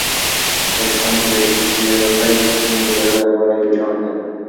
دا کیسه موږ ته راښيي چې ستونزې د بریا لپاره یو چانس دی.